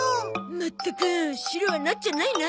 まったくシロはなっちゃないなあ。